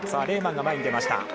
レーマン、前に出ました。